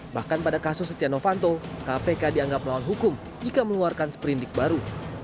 bahkan pada kasus stiano fanto kpk dianggap melawan hukum jika meluarkan seperindik baru